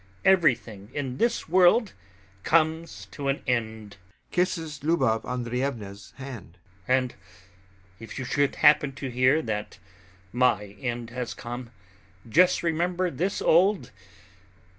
Everything in this world comes to an end.... [Kisses LUBOV ANDREYEVNA'S hand] And if you should happen to hear that my end has come, just remember this old...